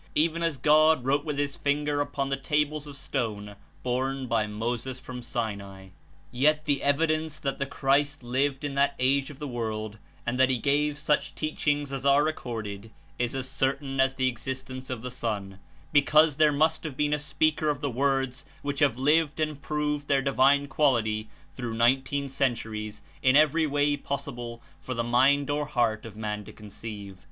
even as God wrote with his finger upon the tables of stone borne by Moses from Sinai. Yet the evidence that the ^^ Christ Christ lived in that age of the world, and that he gave such teachings as are recorded, is as certain as the existence of the sun, because there must have been a Speaker of the Words which have lived and proved their divine quality through nineteen cen turies In every way possible for the mind or heart of man to conceive.